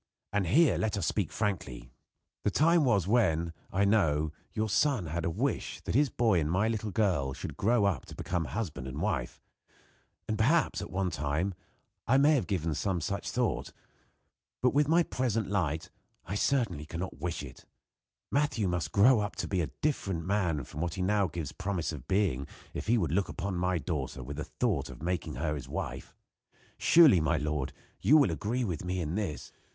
And here let us speak frankly. The time was when, I know, your son had a wish that his boy and my little girl should grow up to become husband and wife. Perhaps, at one time, I may have had some such thought; but, with my present light, I certainly cannot wish it. Matthew must grow up to be a different man from what he now gives promise of being if he would look upon my daughter with the thought of making her his wife. Surely, my lord, you will agree with me, in this?"